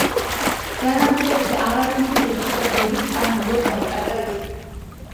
დანამდვილებით არავინ იცის, ზუსტად როდის ან როგორ დაიკარგა ისინი.